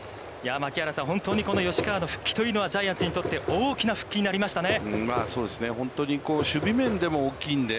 槙原さん、本当にこの吉川の復帰というのはジャイアンツにとって大きな復帰になりましたね。